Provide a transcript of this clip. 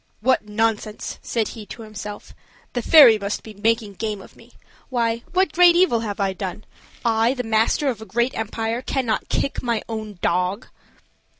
"What nonsense!" said he to himself. "The fairy must be making game of me. Why, what great evil have I done! I, the master of a great empire, cannot I kick my own dog?"